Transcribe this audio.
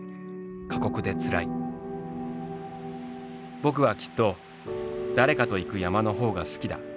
「僕はきっと誰かと行く山のほうが好きだ。